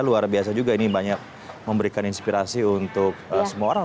luar biasa juga ini banyak memberikan inspirasi untuk semua orang